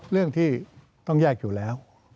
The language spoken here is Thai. เรื่องที่ต้องแยกอยู่แล้ว